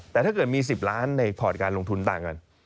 แต่ถ้าเกิดมี๑๐ล้านในพอร์ตการลงทุนต่างกัน